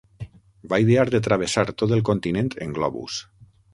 Va idear de travessar tot el continent en globus.